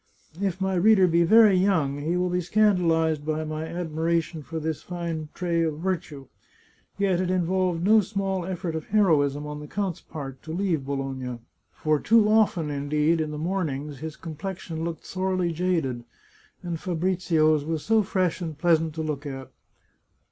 If my reader be very young, he will be scandalized by my admiration for this fine trait of virtue. Yet it involved no small effort of heroism on the count's part to leave Bologna. For too often, indeed, in the mornings, his complexion looked sorely jaded, and Fabrizio's was so fresh and pleasant to look at!